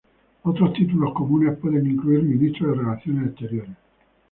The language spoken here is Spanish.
Otros títulos comunes pueden incluir ministro de relaciones exteriores.